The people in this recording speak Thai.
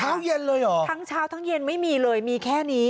เช้าเย็นเลยเหรอทั้งเช้าทั้งเย็นไม่มีเลยมีแค่นี้